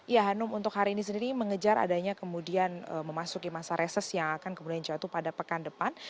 ya hanum untuk hari ini sendiri mengejar adanya kemudian memasuki masa reses yang akan kemudian jatuh pada pekan depan